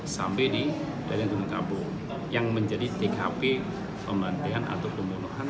sampai di dari gunung kapu yang menjadi tkp pembantian atau pembunuhan